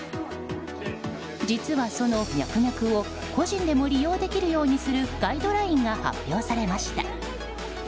実はそのミャクミャクを個人でも利用できるようにするガイドラインが発表されました。